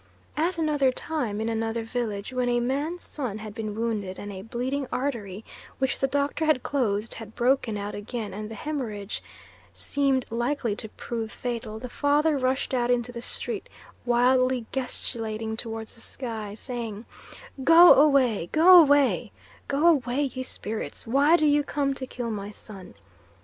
At another time, in another village, when a man's son had been wounded and a bleeding artery which the Doctor had closed had broken out again and the haemorrhage seemed likely to prove fatal, the father rushed out into the street wildly gesticulating towards the sky, saying, "Go away, go away, go away, ye spirits, why do you come to kill my son?"